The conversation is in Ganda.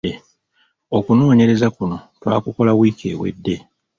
Okunoonoonyereza kuno twakukola wiki ewedde.